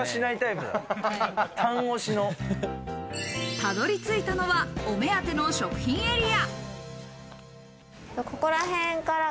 たどり着いたのは、お目当ての食品エリア。